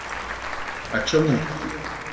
А чому?